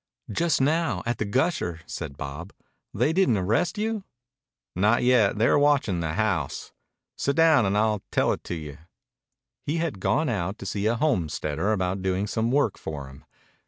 "Just now. At the Gusher," said Bob. "They didn't arrest you?" "Not yet. They're watchin' the house. Sit down, and I'll tell it to you." He had gone out to see a homesteader about doing some work for him.